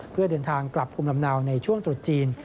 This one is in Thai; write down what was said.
เพื่อเดินทางกลับภูมิลำเนาในช่วงตรุษจีน